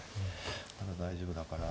まだ大丈夫だから。